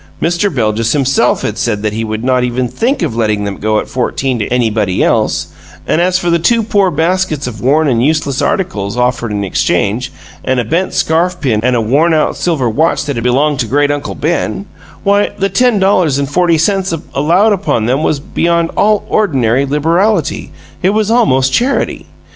Mr. Beljus himself had said that he would not even think of letting them go at fourteen to anybody else, and as for the two poor baskets of worn and useless articles offered in exchange, and a bent scarfpin and a worn out old silver watch that had belonged to great uncle Ben why, the ten dollars and forty cents allowed upon them was beyond all ordinary liberality; it was almost charity.